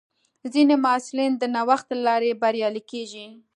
ځینې محصلین د نوښت له لارې بریالي کېږي.